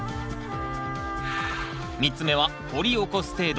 ３つ目は掘り起こす程度。